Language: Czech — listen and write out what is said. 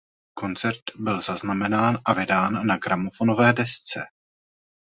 Koncert byl zaznamenán a vydán na gramofonové desce.